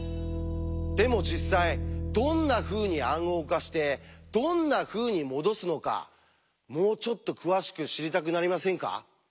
でも実際どんなふうに暗号化してどんなふうにもどすのかもうちょっと詳しく知りたくなりませんか？